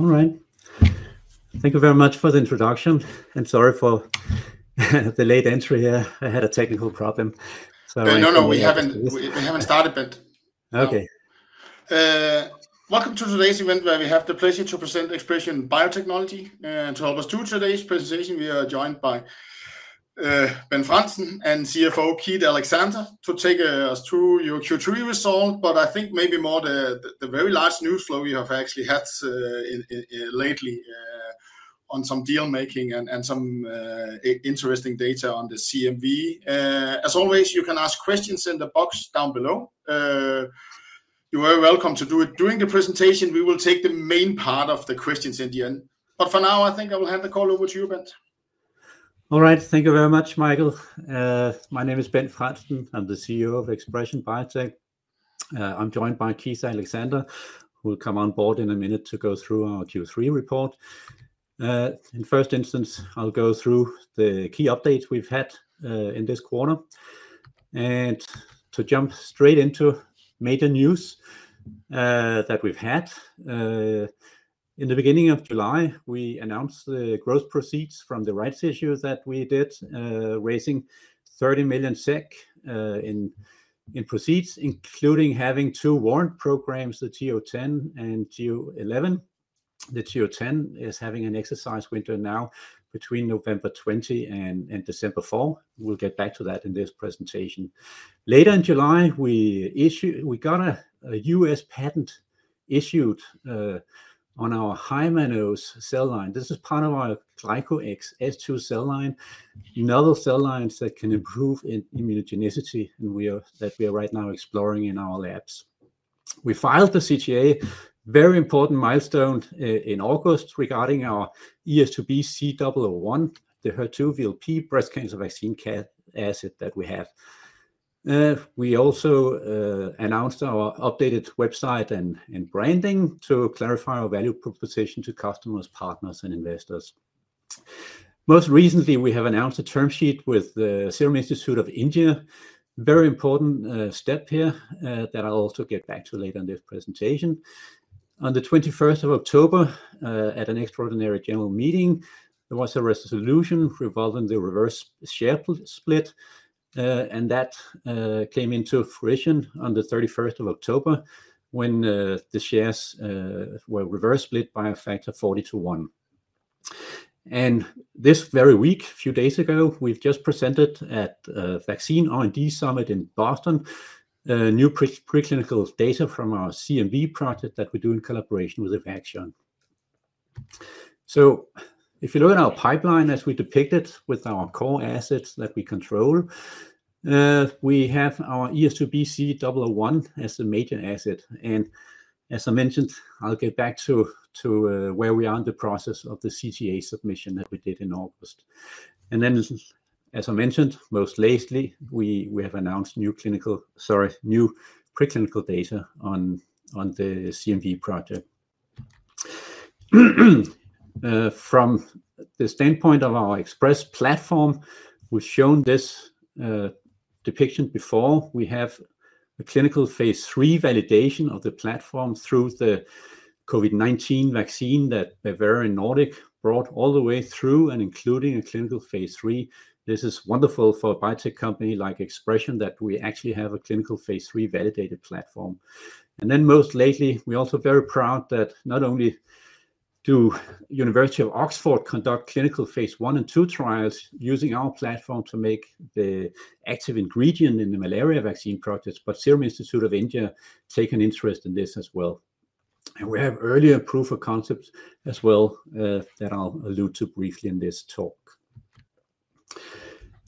All right. Thank you very much for the introduction. I'm sorry for the late entry here. I had a technical problem. No, no, no. We haven't started, Bent. Okay. Welcome to today's event, where we have the pleasure to present ExpreS2ion Biotechnologies. To help us do today's presentation, we are joined by Bent Frandsen and CFO Keith Alexander to take us through your Q3 result. But I think maybe more the very large news flow we have actually had lately on some dealmaking and some interesting data on the CMV. As always, you can ask questions in the box down below. You're very welcome to do it during the presentation. We will take the main part of the questions in the end. But for now, I think I will hand the call over to you, Bent. All right. Thank you very much, Michael. My name is Bent Frandsen. I'm the CEO of ExpreS2ion Biotech. I'm joined by Keith Alexander, who will come on board in a minute to go through our Q3 report. In the first instance, I'll go through the key updates we've had in this quarter. To jump straight into major news that we've had, in the beginning of July, we announced the gross proceeds from the rights issue that we did, raising 30 million SEK in proceeds, including having two warrant programs, the TO10 and TO11. The TO10 is having an exercise window now between November 20 and December 4. We'll get back to that in this presentation. Later in July, we got a U.S. patent issued on our high-mannose cell line. This is part of our GlycoX-S2 cell line, novel cell lines that can improve immunogenicity that we are right now exploring in our labs. We filed the CTA, very important milestone in August, regarding our ES2B-C001, the HER2-VLP breast cancer vaccine asset that we have. We also announced our updated website and branding to clarify our value proposition to customers, partners, and investors. Most recently, we have announced a term sheet with the Serum Institute of India, a very important step here that I'll also get back to later in this presentation. On the 21st of October, at an extraordinary general meeting, there was a resolution resolving the reverse share split. And that came into fruition on the 31st of October when the shares were reverse split by a factor of 40 to 1. This very week, a few days ago, we've just presented at the Vaccine R&D Summit in Boston new preclinical data from our CMV project that we do in collaboration with Evaxion. So if you look at our pipeline as we depict it with our core assets that we control, we have our ES2B-C001 as the major asset. And as I mentioned, I'll get back to where we are in the process of the CTA submission that we did in August. And then, as I mentioned, most lately, we have announced new preclinical data on the CMV project. From the standpoint of our ExpreS2ion platform, we've shown this depiction before. We have a clinical phase 3 validation of the platform through the COVID-19 vaccine that Bavarian Nordic brought all the way through, including a clinical Phase 3. This is wonderful for a biotech company like ExpreS2ion that we actually have a clinical Phase 3, validated platform, and then most lately, we're also very proud that not only do the University of Oxford conduct clinical Phase 1 and 2 trials using our platform to make the active ingredient in the malaria vaccine projects, but the Serum Institute of India has taken interest in this as well, and we have earlier proof of concept as well that I'll allude to briefly in this talk.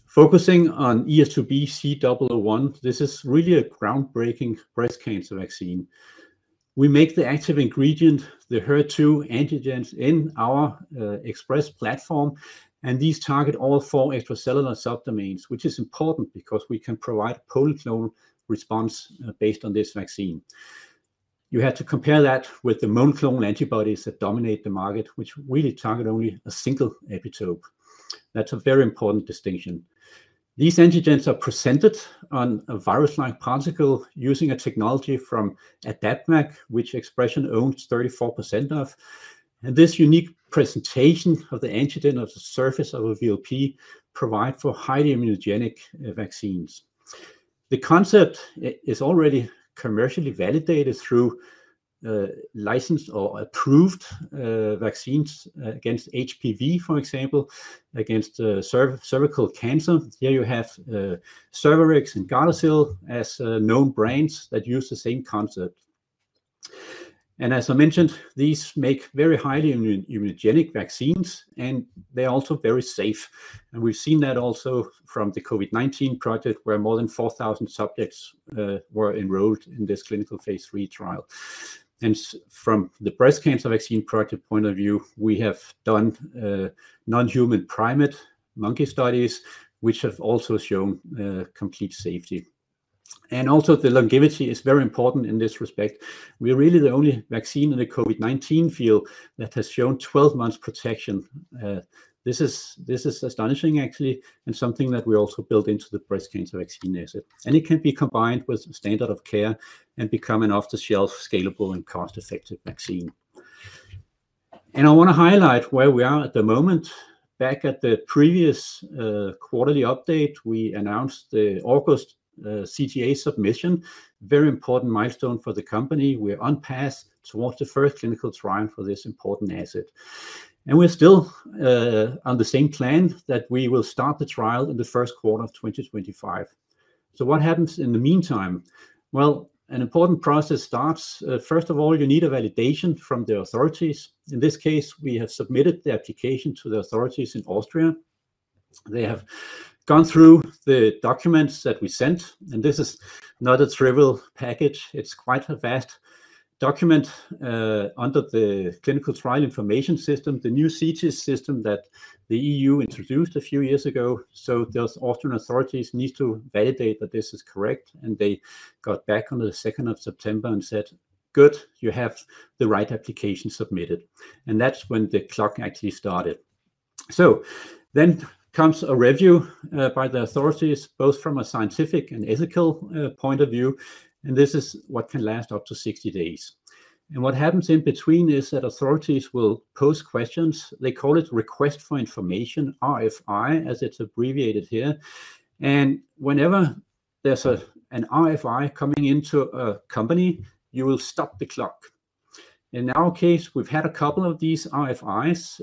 Focusing on ES2B-C001, this is really a groundbreaking breast cancer vaccine. We make the active ingredient, the HER2 antigens in our ExpreS2ion platform, and these target all four extracellular subdomains, which is important because we can provide a polyclonal response based on this vaccine. You have to compare that with the monoclonal antibodies that dominate the market, which really target only a single epitope. That's a very important distinction. These antigens are presented on a virus-like particle using a technology from Adapvac, which ExpreS2ion owns 34% of. And this unique presentation of the antigen on the surface of a VLP provides for highly immunogenic vaccines. The concept is already commercially validated through licensed or approved vaccines against HPV, for example, against cervical cancer. Here you have Cervarix and Gardasil as known brands that use the same concept. And as I mentioned, these make very highly immunogenic vaccines. And they're also very safe. And we've seen that also from the COVID-19 project, where more than 4,000 subjects were enrolled in this clinical phase 3 trial. And from the breast cancer vaccine project point of view, we have done non-human primate monkey studies, which have also shown complete safety. And also, the longevity is very important in this respect. We're really the only vaccine in the COVID-19 field that has shown 12 months protection. This is astonishing, actually, and something that we also built into the breast cancer vaccine asset. And it can be combined with standard of care and become an off-the-shelf, scalable, and cost-effective vaccine. And I want to highlight where we are at the moment. Back at the previous quarterly update, we announced the August CTA submission, a very important milestone for the company. We're on path towards the first clinical trial for this important asset. And we're still on the same plan that we will start the trial in the first quarter of 2025. So what happens in the meantime? Well, an important process starts. First of all, you need a validation from the authorities. In this case, we have submitted the application to the authorities in Austria. They have gone through the documents that we sent, and this is not a trivial package. It's quite a vast document under the Clinical Trial Information System, the new CTA system that the EU introduced a few years ago, so those Austrian authorities need to validate that this is correct, and they got back on the 2nd of September and said, "Good, you have the right application submitted," and that's when the clock actually started, so then comes a review by the authorities, both from a scientific and ethical point of view, and this is what can last up to 60 days, and what happens in between is that authorities will post questions. They call it Request for Information, RFI, as it's abbreviated here, and whenever there's an RFI coming into a company, you will stop the clock. In our case, we've had a couple of these RFIs.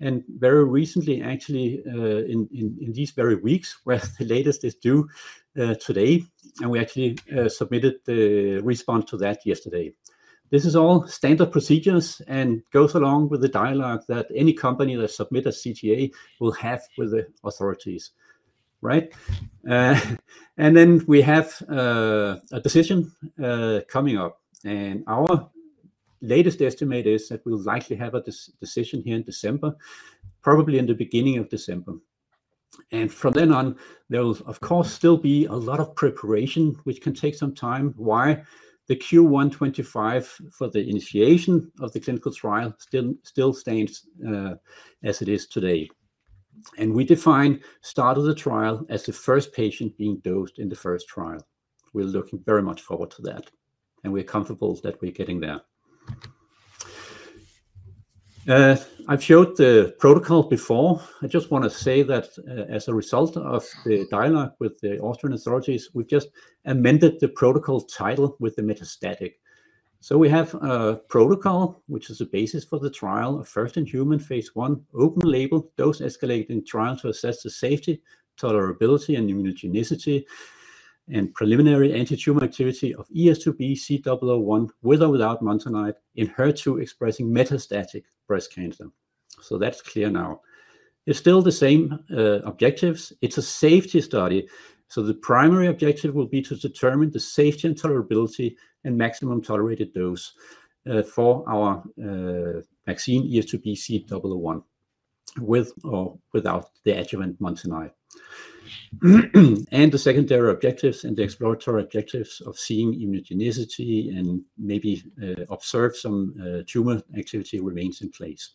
And very recently, actually, in these very weeks, where the latest is due today. And we actually submitted the response to that yesterday. This is all standard procedures and goes along with the dialogue that any company that submits a CTA will have with the authorities. Right? And then we have a decision coming up. And our latest estimate is that we'll likely have a decision here in December, probably in the beginning of December. And from then on, there will, of course, still be a lot of preparation, which can take some time. Why? The Q1 2025, for the initiation of the clinical trial still stands as it is today. And we define the start of the trial as the first patient being dosed in the first trial. We're looking very much forward to that. And we're comfortable that we're getting there. I've showed the protocol before. I just want to say that as a result of the dialogue with the Austrian authorities, we've just amended the protocol title with the metastatic. So we have a protocol, which is a basis for the trial, a first-in-human phase 1, open-label, dose-escalating trial to assess the safety, tolerability, and immunogenicity and preliminary anti-tumor activity of ES2B-C001 with or without Montanide in HER2-expressing metastatic breast cancer. So that's clear now. It's still the same objectives. It's a safety study. So the primary objective will be to determine the safety and tolerability and maximum tolerated dose for our vaccine ES2B-C001 with or without the adjuvant Montanide. And the secondary objectives and the exploratory objectives of seeing immunogenicity and maybe observe some tumor activity remains in place.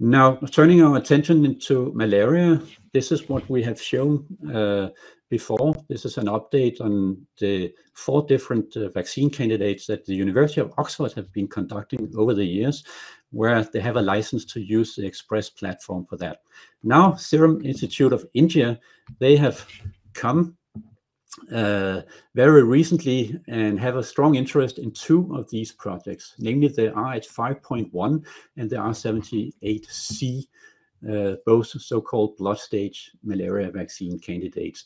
Now, turning our attention to malaria, this is what we have shown before. This is an update on the four different vaccine candidates that the University of Oxford have been conducting over the years, where they have a license to use the ExpreS2ion platform for that. Now, Serum Institute of India, they have come very recently and have a strong interest in two of these projects. Namely, the RH5.1 and the R78C, both so-called blood-stage malaria vaccine candidates.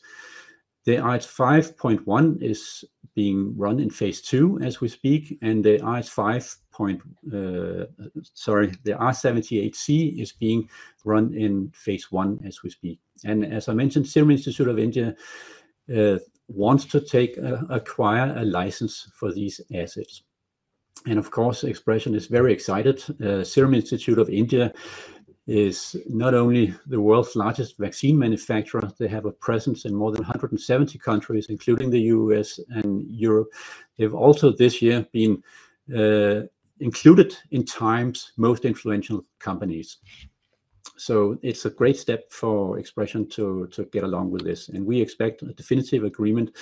The RH5.1 is being run in phase 2 as we speak, and the R78C is being run in phase 1 as we speak, and as I mentioned, Serum Institute of India wants to acquire a license for these assets, and of course, ExpreS2ion is very excited. Serum Institute of India is not only the world's largest vaccine manufacturer. They have a presence in more than 170 countries, including the U.S. and Europe. They've also this year been included in TIME's most influential companies. It's a great step for ExpreS2ion to get along with this. And we expect a definitive agreement.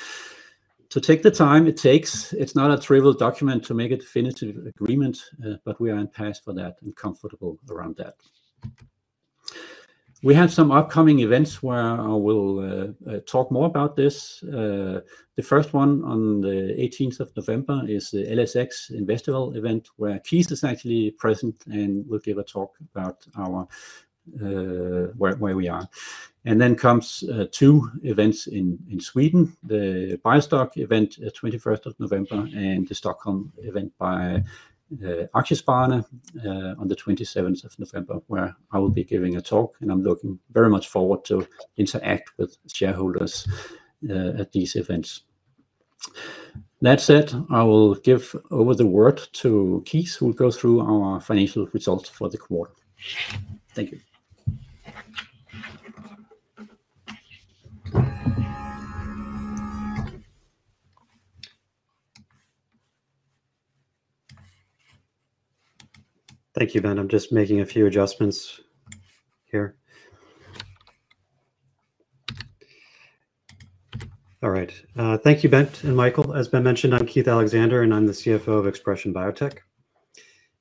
To take the time it takes, it's not a trivial document to make a definitive agreement. But we are on pace for that and comfortable around that. We have some upcoming events where I will talk more about this. The first one on the 18th of November is the LSX Investival event, where Keith is actually present and will give a talk about where we are. And then comes two events in Sweden, the BioStock event on the 21st of November and the Stockholm event by Aktiespararna on the 27th of November, where I will be giving a talk. And I'm looking very much forward to interact with shareholders at these events. That said, I will give over the word to Keith, who will go through our financial results for the quarter. Thank you. Thank you, Ben. I'm just making a few adjustments here. All right. Thank you, Ben and Michael. As Ben mentioned, I'm Keith Alexander, and I'm the CFO of ExpreS2ion Biotech.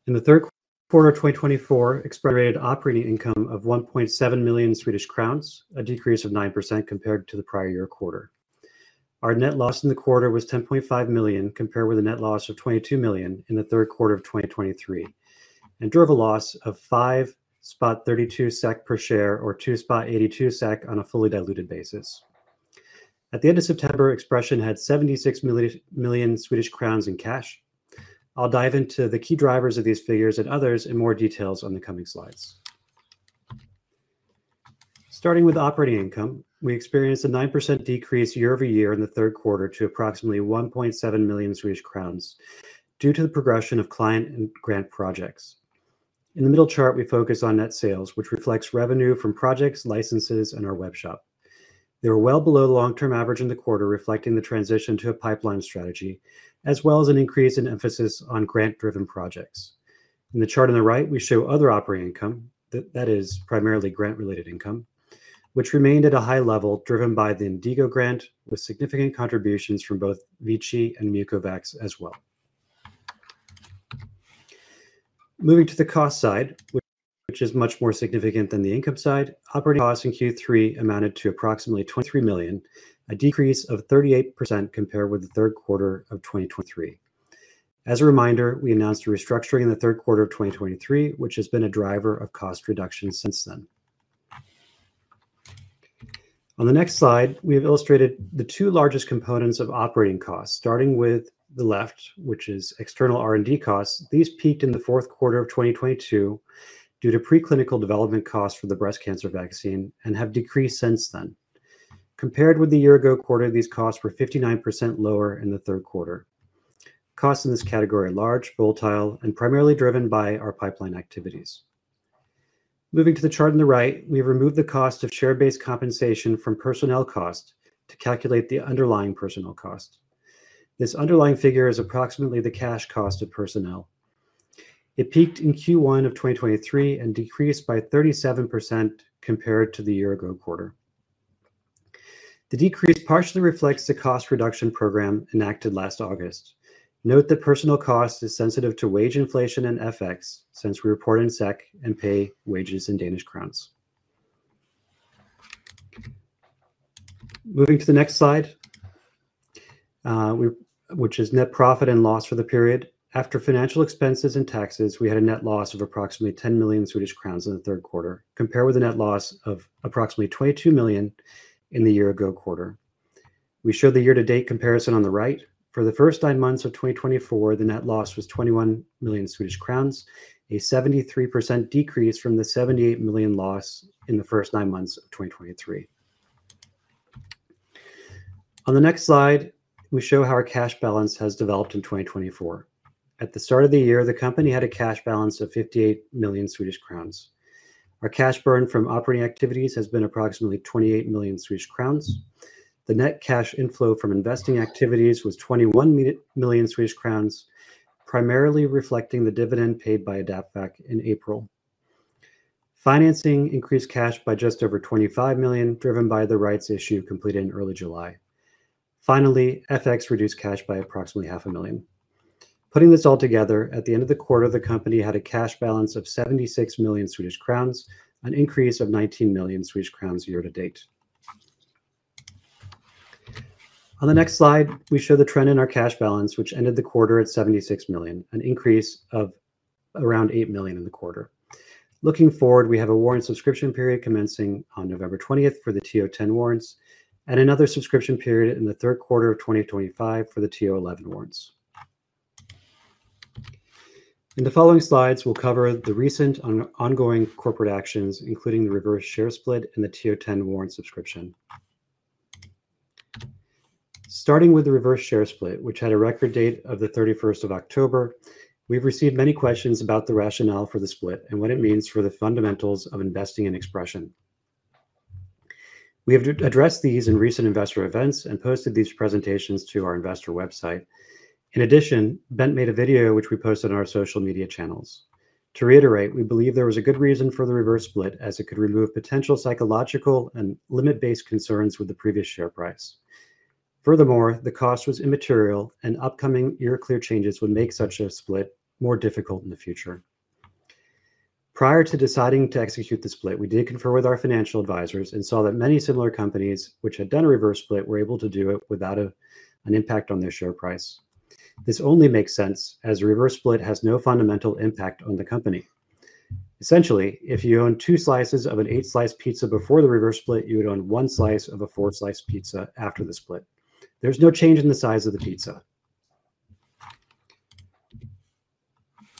In the third quarter of 2024, ExpreS2ion raised operating income of 1.7 million Swedish crowns, a decrease of 9% compared to the prior year quarter. Our net loss in the quarter was 10.5 million, compared with a net loss of 22 million in the third quarter of 2023, and drove a loss of 5.32 SEK per share, or 2.82 SEK on a fully diluted basis. At the end of September, ExpreS2ion had 76 million Swedish crowns in cash. I'll dive into the key drivers of these figures and others in more details on the coming slides. Starting with operating income, we experienced a 9% decrease year over year in the third quarter to approximately 1.7 million Swedish crowns due to the progression of client and grant projects. In the middle chart, we focus on net sales, which reflects revenue from projects, licenses, and our web shop. They were well below the long-term average in the quarter, reflecting the transition to a pipeline strategy, as well as an increase in emphasis on grant-driven projects. In the chart on the right, we show other operating income, that is, primarily grant-related income, which remained at a high level, driven by the INDIGO grant, with significant contributions from both VICI and MucoVax as well. Moving to the cost side, which is much more significant than the income side, operating costs in Q3 amounted to approximately 23 million, a decrease of 38% compared with the Q3 of 2023. As a reminder, we announced restructuring in the third quarter of 2023, which has been a driver of cost reduction since then. On the next slide, we have illustrated the two largest components of operating costs, starting with the left, which is external R&D costs. These peaked in the fourth quarter of 2022, due to preclinical development costs for the breast cancer vaccine and have decreased since then. Compared with the year-ago quarter, these costs were 59% lower in the Q3. Costs in this category are large, volatile, and primarily driven by our pipeline activities. Moving to the chart on the right, we have removed the cost of share-based compensation from personnel cost to calculate the underlying personnel cost. This underlying figure is approximately the cash cost of personnel. It peaked in Q1 of 2023, and decreased by 37% compared to the year-ago quarter. The decrease partially reflects the cost reduction program enacted last August. Note that personnel cost is sensitive to wage inflation and FX, since we report in SEK and pay wages in DKK. Moving to the next slide, which is net profit and loss for the period. After financial expenses and taxes, we had a net loss of approximately 10 million Swedish crowns in the third quarter, compared with a net loss of approximately 22 million in the year-ago quarter. We show the year-to-date comparison on the right. For the first nine months of 2024, the net loss was 21 million Swedish crowns, a 73% decrease from the 78 million loss in the first nine months of 2023. On the next slide, we show how our cash balance has developed in 2024. At the start of the year, the company had a cash balance of 58 million Swedish crowns. Our cash burn from operating activities has been approximately 28 million Swedish crowns. The net cash inflow from investing activities was 21 million Swedish crowns, primarily reflecting the dividend paid by Adapvac in April. Financing increased cash by just over 25 million, driven by the rights issue completed in early July. Finally, FX reduced cash by approximately 500,000. Putting this all together, at the end of the quarter, the company had a cash balance of 76 million Swedish crowns, an increase of 19 million Swedish crowns year-to-date. On the next slide, we show the trend in our cash balance, which ended the quarter at 76 million, an increase of around 8 million in the quarter. Looking forward, we have a warrant subscription period commencing on November 20 for the TO10 warrants and another subscription period in the third quarter of 2025, for the TO11 warrants. In the following slides, we'll cover the recent and ongoing corporate actions, including the reverse share split and the TO10 warrant subscription. Starting with the reverse share split, which had a record date of the 31st of October, we've received many questions about the rationale for the split and what it means for the fundamentals of investing in ExpreS2ion. We have addressed these in recent investor events and posted these presentations to our investor website. In addition, Bent made a video, which we posted on our social media channels. To reiterate, we believe there was a good reason for the reverse split, as it could remove potential psychological and limit-based concerns with the previous share price. Furthermore, the cost was immaterial, and upcoming regime changes would make such a split more difficult in the future. Prior to deciding to execute the split, we did confer with our financial advisors and saw that many similar companies, which had done a reverse split, were able to do it without an impact on their share price. This only makes sense, as a reverse split has no fundamental impact on the company. Essentially, if you own two slices of an eight-slice pizza before the reverse split, you would own one slice of a four-slice pizza after the split. There's no change in the size of the pizza.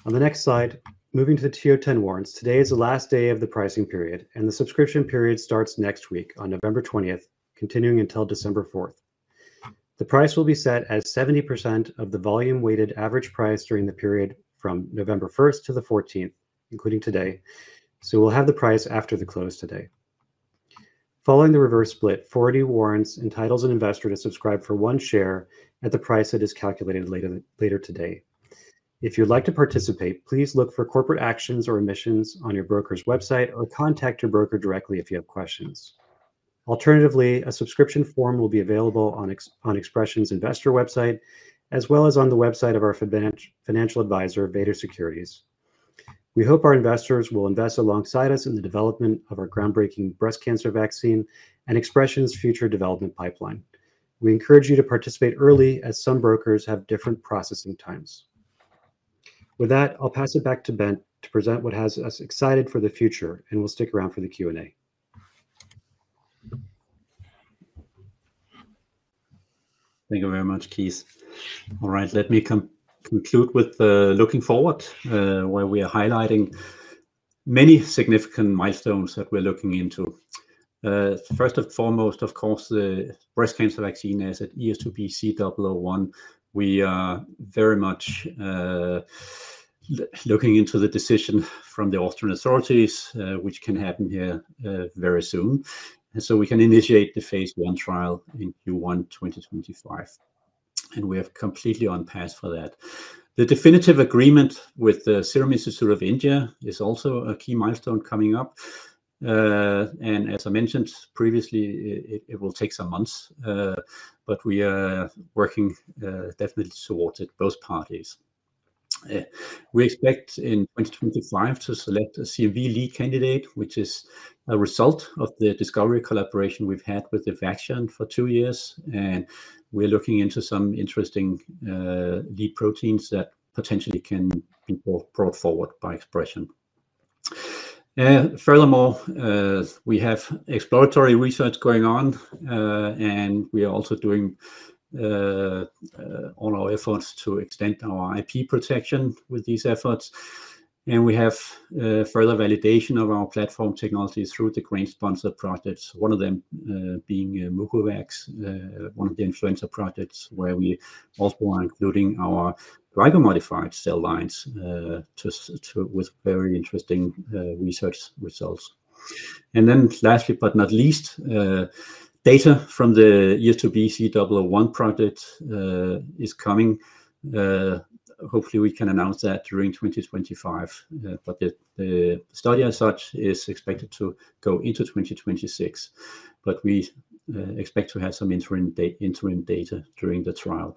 On the next slide, moving to the TO10 warrants, today is the last day of the pricing period, and the subscription period starts next week on November 20, continuing until December 4. The price will be set as 70% of the volume-weighted average price during the period from November 1 to the 14th, including today. We'll have the price after the close today. Following the reverse split, 40 warrants entitles an investor to subscribe for one share at the price that is calculated later today. If you'd like to participate, please look for corporate actions or announcements on your broker's website or contact your broker directly if you have questions. Alternatively, a subscription form will be available on ExpreS2ion's investor website, as well as on the website of our financial advisor, Vator Securities. We hope our investors will invest alongside us in the development of our groundbreaking breast cancer vaccine and ExpreS2ion's future development pipeline. We encourage you to participate early, as some brokers have different processing times. With that, I'll pass it back to Ben to present what has us excited for the future, and we'll stick around for the Q&A. Thank you very much, Keith. All right, let me conclude with looking forward, where we are highlighting many significant milestones that we're looking into. First and foremost, of course, the breast cancer vaccine, ES2B-C001. We are very much looking into the decision from the Austrian authorities, which can happen here very soon, and so we can initiate the phase one trial in Q1 2025. We are completely on path for that. The definitive agreement with the Serum Institute of India is also a key milestone coming up, and as I mentioned previously, it will take some months, but we are working definitely towards it, both parties. We expect in 2025, to select a CMV lead candidate, which is a result of the discovery collaboration we've had with Evaxion for two years, and we're looking into some interesting lead proteins that potentially can be brought forward by ExpreS2ion. Furthermore, we have exploratory research going on. And we are also doing all our efforts to extend our IP protection with these efforts. And we have further validation of our platform technology through the grant-sponsored projects, one of them being MucoVax, one of the influenza projects, where we also are including our GlycoX-modified cell lines with very interesting research results. And then lastly, but not least, data from the ES2B-C001 project is coming. Hopefully, we can announce that during 2025. But the study as such is expected to go into 2026. But we expect to have some interim data during the trial.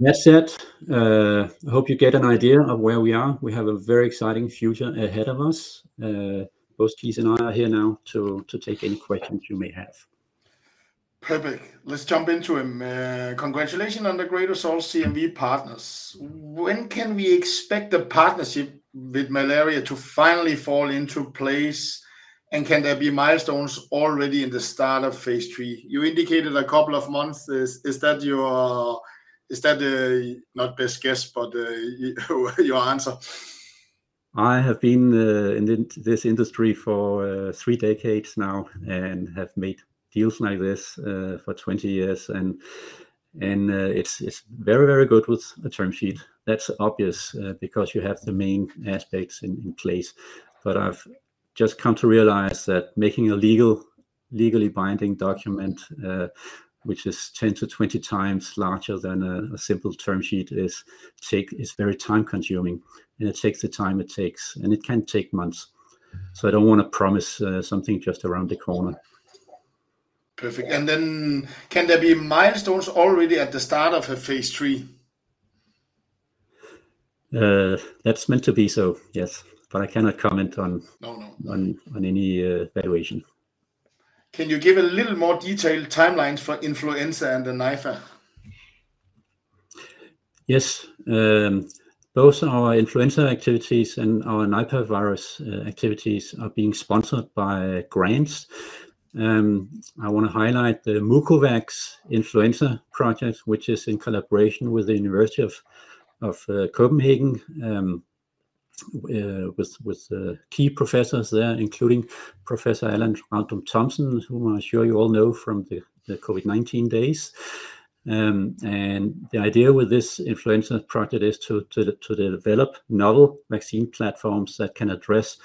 That said, I hope you get an idea of where we are. We have a very exciting future ahead of us. Both Keith and I are here now to take any questions you may have. Perfect. Let's jump into it. Congratulations on the great results, CMV partners. When can we expect the partnership with malaria to finally fall into place? And can there be milestones already in the start of phase 111? You indicated a couple of months. Is that not best guess, but your answer? I have been in this industry for three decades now and have made deals like this for 20 years. And it's very, very good with a term sheet. That's obvious because you have the main aspects in place. But I've just come to realize that making a legally binding document, which is 10-20 times larger than a simple term sheet, is very time-consuming. And it takes the time it takes. And it can take months. So I don't want to promise something just around the corner. Perfect. And then can there be milestones already at the start of phase 111? That's meant to be so, yes. But I cannot comment on any evaluation. Can you give a little more detailed timelines for influenza and the Nipah? Yes. Both our influenza activities and our Nipah virus activities are being sponsored by grants. I want to highlight the MucoVax influenza project, which is in collaboration with the University of Copenhagen with key professors there, including Professor Allan Randrup Thomsen, whom I'm sure you all know from the COVID-19 days. And the idea with this influenza project is to develop novel vaccine platforms that can address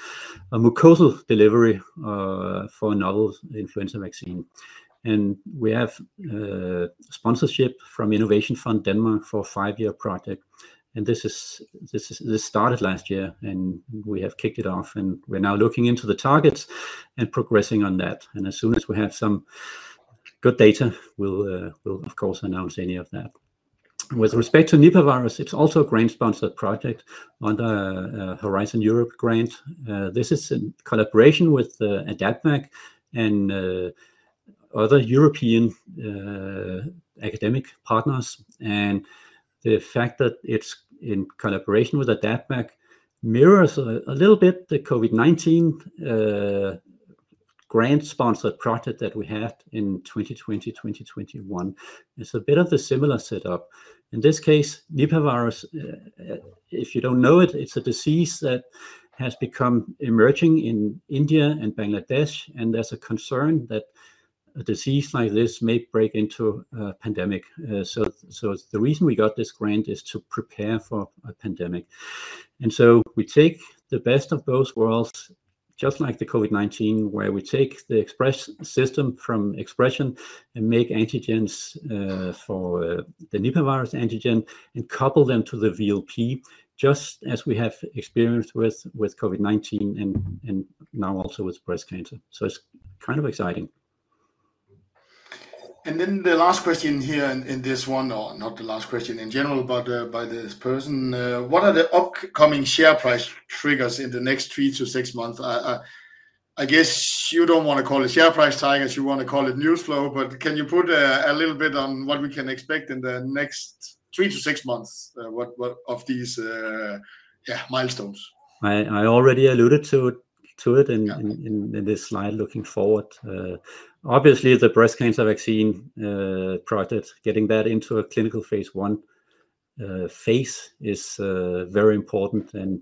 a mucosal delivery for a novel influenza vaccine. And we have sponsorship from Innovation Fund Denmark for a five-year project. And this started last year, and we have kicked it off. And we're now looking into the targets and progressing on that. And as soon as we have some good data, we'll, of course, announce any of that. With respect to Nipah virus, it's also a grant-sponsored project under a Horizon Europe grant. This is in collaboration with Adapvac and other European academic partners. And the fact that it's in collaboration with Adapvac mirrors a little bit the COVID-19 grant-sponsored project that we had in 2020, 2021. It's a bit of a similar setup. In this case, Nipah virus, if you don't know it, it's a disease that has become emerging in India and Bangladesh. And there's a concern that a disease like this may break into a pandemic. So the reason we got this grant is to prepare for a pandemic. And so we take the best of both worlds, just like the COVID-19, where we take the system from ExpreS2ion and make antigens for the Nipah virus antigen and couple them to the VLP, just as we have experienced with COVID-19 and now also with breast cancer. So it's kind of exciting. And then the last question here in this one, or not the last question in general, but by this person, what are the upcoming share price triggers in the next three to six months? I guess you don't want to call it share price triggers. You want to call it news flow. But can you put a little bit on what we can expect in the next three to six months of these milestones? I already alluded to it in this slide looking forward. Obviously, the breast cancer vaccine project, getting that into a clinical phase one, is very important and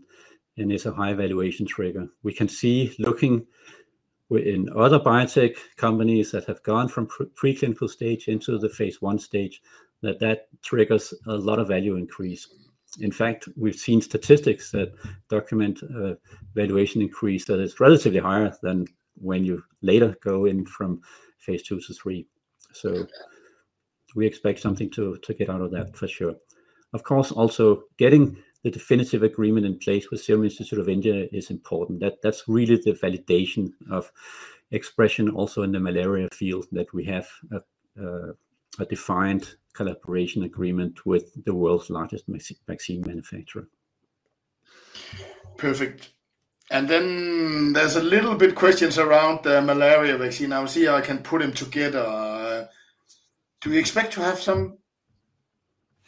is a high evaluation trigger. We can see, looking in other biotech companies that have gone from preclinical stage into the phase one stage, that triggers a lot of value increase. In fact, we've seen statistics that document valuation increase that is relatively higher than when you later go in from phase two to three, so we expect something to get out of that for sure. Of course, also getting the definitive agreement in place with Serum Institute of India is important. That's really the validation of ExpreS2ion also in the malaria field that we have a defined collaboration agreement with the world's largest vaccine manufacturer. Perfect, and then there's a little bit of questions around the malaria vaccine. I will see if I can put them together. Do we expect to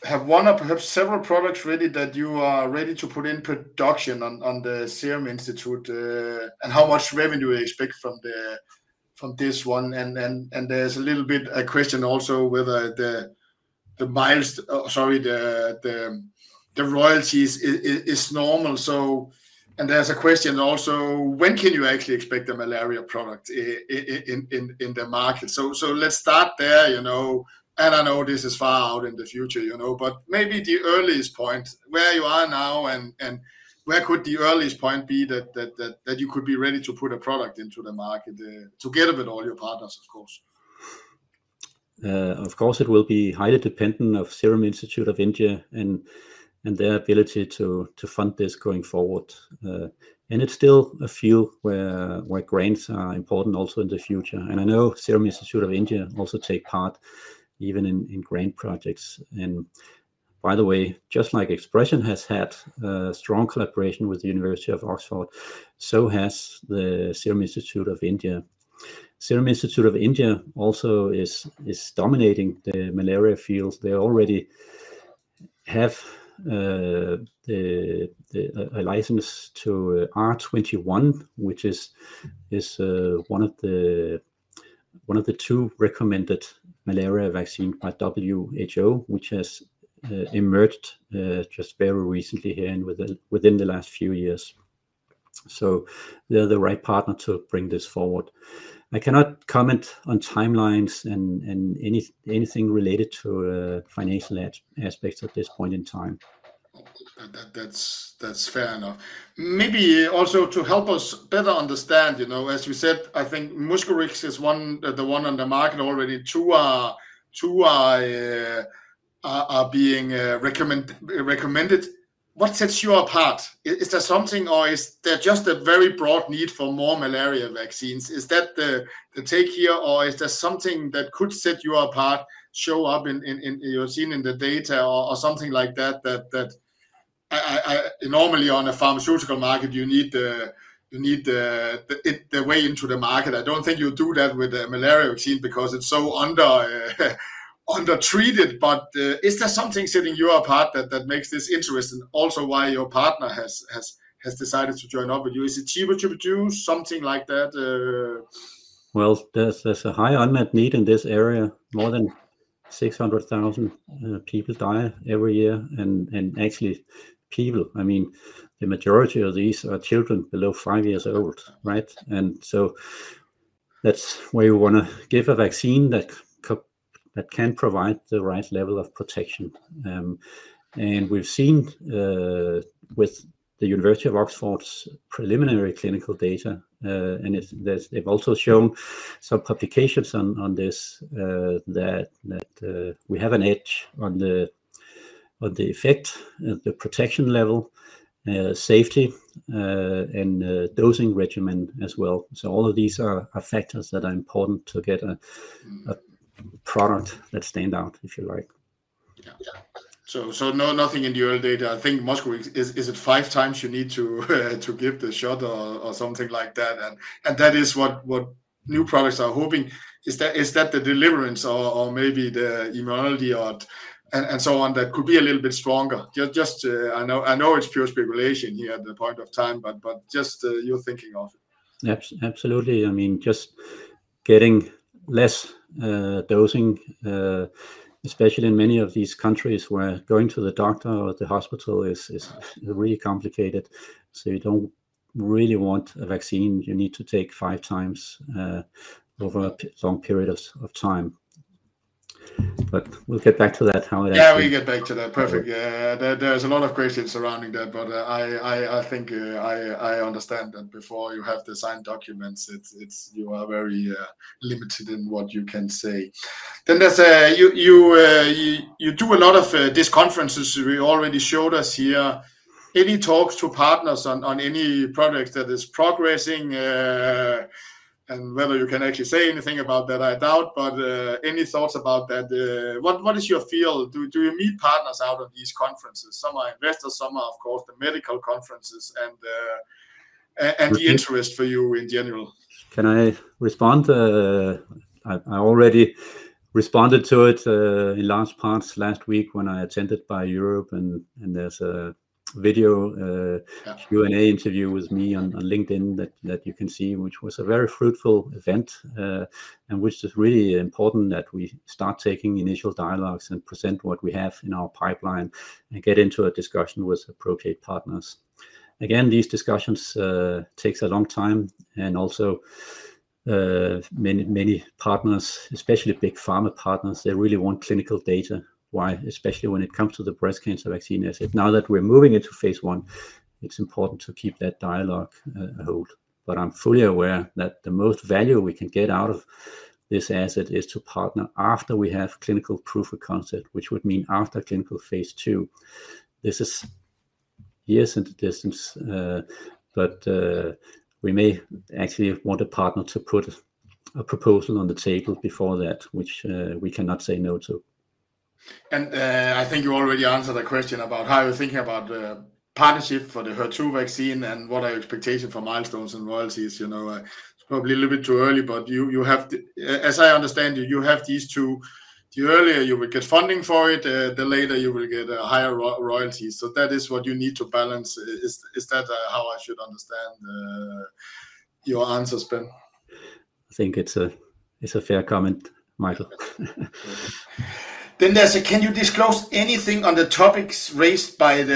have one or perhaps several products ready that you are ready to put in production on the Serum Institute of India and how much revenue you expect from this one? And there's a little bit of a question also whether the miles, sorry, the royalties is normal. And there's a question also, when can you actually expect the malaria product in the market? So let's start there. And I know this is far out in the future, but maybe the earliest point, where you are now, and where could the earliest point be that you could be ready to put a product into the market together with all your partners, of course? Of course, it will be highly dependent on Serum Institute of India and their ability to fund this going forward. And it's still a field where grants are important also in the future. I know Serum Institute of India also takes part even in grant projects. By the way, just like ExpreS2ion has had a strong collaboration with the University of Oxford, so has the Serum Institute of India. Serum Institute of India also is dominating the malaria field. They already have a license to R21, which is one of the two recommended malaria vaccines by WHO, which has emerged just very recently here and within the last few years. So they're the right partner to bring this forward. I cannot comment on timelines and anything related to financial aspects at this point in time. That's fair enough. Maybe also to help us better understand, as we said, I think Mosquirix is the one on the market already. Two are being recommended. What sets you apart? Is there something, or is there just a very broad need for more malaria vaccines? Is that the take here, or is there something that could set you apart, show up in your scene in the data, or something like that? Normally, on a pharmaceutical market, you need the way into the market. I don't think you'll do that with the malaria vaccine because it's so undertreated. But is there something setting you apart that makes this interesting? Also why your partner has decided to join up with you? Is it cheaper to produce something like that? Well, there's a high unmet need in this area. More than 600,000 people die every year. And actually, people, I mean, the majority of these are children below five years old, right? And so that's where you want to give a vaccine that can provide the right level of protection. We've seen with the University of Oxford's preliminary clinical data, and they've also shown some publications on this that we have an edge on the effect and the protection level, safety, and dosing regimen as well. So all of these are factors that are important to get a product that stands out, if you like. So nothing in the early data. I think Mosquirix, is it five times you need to give the shot or something like that? And that is what new products are hoping. Is that the delivery or maybe the immunity and so on that could be a little bit stronger? I know it's pure speculation here at the point of time, but just your thinking of it. Absolutely. I mean, just getting less dosing, especially in many of these countries where going to the doctor or the hospital is really complicated. So you don't really want a vaccine. You need to take five times over a long period of time. But we'll get back to that, how it actually. Yeah, we'll get back to that. Perfect. There's a lot of questions surrounding that, but I think I understand that before you have the signed documents, you are very limited in what you can say. Then you do a lot of these conferences. We already showed it here. Any talks to partners on any products that are progressing? And whether you can actually say anything about that, I doubt. But any thoughts about that? What is your feel? Do you meet partners out of these conferences? Some are investors, some are, of course, the medical conferences and the interest for you in general. Can I respond? I already responded to it in large parts last week when I attended BIO-Europe. There's a video Q&A interview with me on LinkedIn that you can see, which was a very fruitful event and which is really important that we start taking initial dialogues and present what we have in our pipeline and get into a discussion with appropriate partners. Again, these discussions take a long time. Also many partners, especially big pharma partners, they really want clinical data, especially when it comes to the breast cancer vaccine. Now that we're moving into phase one, it's important to keep that dialogue hold. But I'm fully aware that the most value we can get out of this asset is to partner after we have clinical proof of concept, which would mean after clinical phase two. This is years in the distance, but we may actually want a partner to put a proposal on the table before that, which we cannot say no to. And I think you already answered the question about how you're thinking about partnership for the HER2 vaccine and what are your expectations for milestones and royalties. It's probably a little bit too early, but as I understand, you have these two. The earlier you will get funding for it, the later you will get higher royalties. So that is what you need to balance. Is that how I should understand your answers, Ben? I think it's a fair comment, Michael. Then there's a, can you disclose anything on the topics raised by the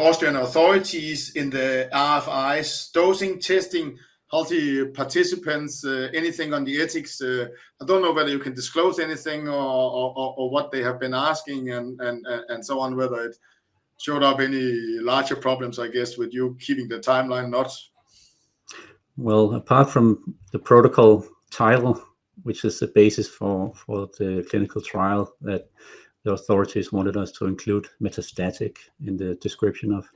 Austrian authorities in the RFIs, dosing, testing, healthy participants, anything on the ethics? I don't know whether you can disclose anything or what they have been asking and so on, whether it showed up any larger problems, I guess, with you keeping the timeline not. Apart from the protocol title, which is the basis for the clinical trial that the authorities wanted us to include metastatic in the description of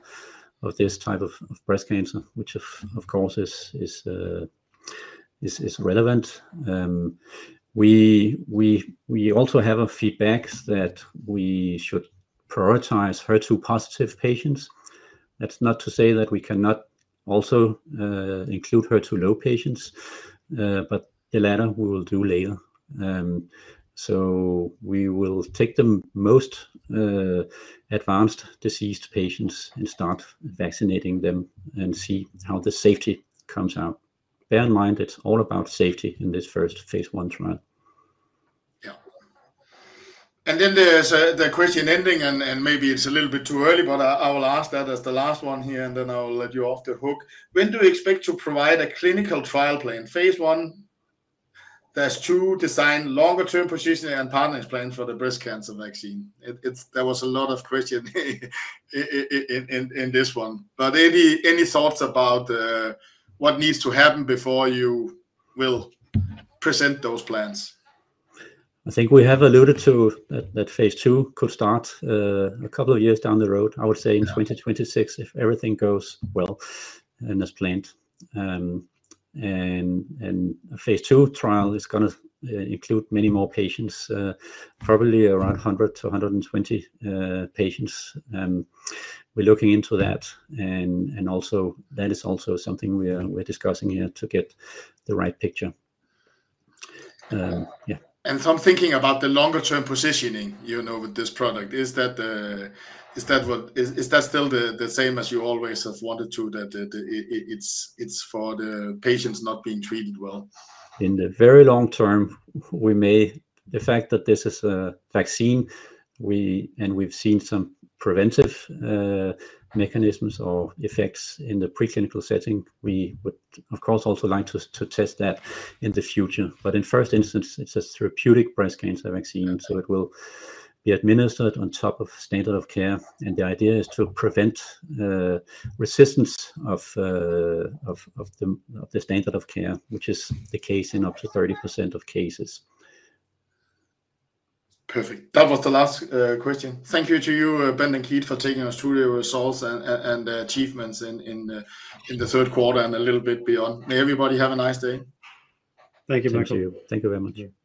this type of breast cancer, which of course is relevant. We also have a feedback that we should prioritize HER2 positive patients. That's not to say that we cannot also include HER2 low patients, but the latter we will do later. So we will take the most advanced diseased patients and start vaccinating them and see how the safety comes out. Bear in mind it's all about safety in this first phase one trial. Yeah. Then there's the question ending, and maybe it's a little bit too early, but I will ask that as the last one here, and then I'll let you off the hook. When do you expect to provide a clinical trial plan? Phase one, there's two designed longer-term positioning and partners' plans for the breast cancer vaccine. There was a lot of questions in this one, but any thoughts about what needs to happen before you will present those plans? I think we have alluded to that phase two could start a couple of years down the road, I would say in 2026, if everything goes well and as planned, and a phase two trial is going to include many more patients, probably around 100 to 120 patients. We're looking into that, and that is also something we're discussing here to get the right picture. Yeah, and some thinking about the longer-term positioning with this product. Is that still the same as you always have wanted to, that it's for the patients not being treated well? In the very long term, the fact that this is a vaccine and we've seen some preventive mechanisms or effects in the preclinical setting, we would, of course, also like to test that in the future. But in first instance, it's a therapeutic breast cancer vaccine, so it will be administered on top of standard of care. And the idea is to prevent resistance of the standard of care, which is the case in up to 30% of cases. Perfect.That was the last question. Thank you to you, Bent and Keith, for taking our Q3 results and achievements in the third quarter and a little bit beyond. May everybody have a nice day. Thank you very much. Thank you very much.